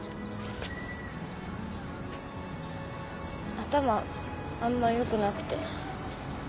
頭あんまよくなくて。